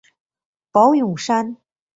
宝永山。